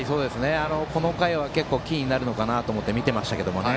この回は結構キーになるのかなと思って見ていましたけどね。